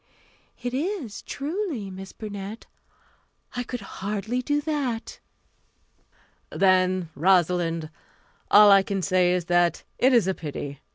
"It is, truly, Miss Burnett. I could hardly do that." "Then, Rosalind, all I can say is that it is a pity.